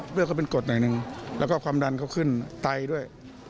เลือดเขาเป็นกดหน่อยหนึ่งแล้วก็ความดันเขาขึ้นไตด้วย